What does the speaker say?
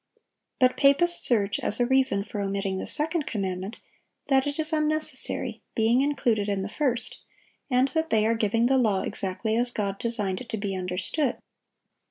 But papists urge, as a reason for omitting the second commandment, that it is unnecessary, being included in the first, and that they are giving the law exactly as God designed it to be understood.